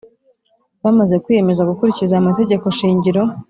Bamaze kwiyemeza gukurikiza aya mategeko shingiro